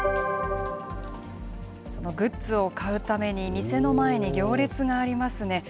そのグッズを買うために店の前に行列がありますね。